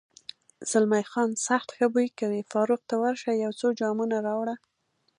زلمی خان: سخت ښه بوی کوي، فاروق، ته ورشه یو څو جامونه راوړه.